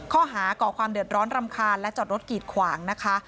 ข้อหาก่อความเดือดร้อนรำคาญและจอดรถกีดขวางนะคะ